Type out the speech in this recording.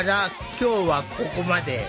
今日はここまで。